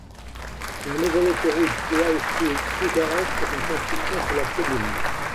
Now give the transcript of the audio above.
La nouvelle autoroute Ploiești-Bucarest est en construction sur la commune.